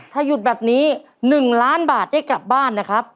ถ้าหยุดแบบนี้๑ล้านบาทได้กลับบ้านนะครับ